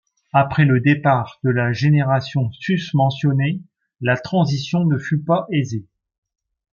Après le départ de la génération susmentionnée, la transition ne fut pas aisée.